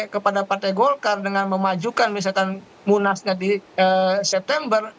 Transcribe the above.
kepada partai golkar dengan memajukan misalkan munasnya di september